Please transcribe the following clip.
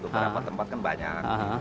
berapa tempat kan banyak